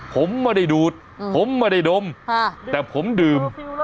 ผมไม่ได้ดูดผมไม่ได้ดมแต่ผมดื่ม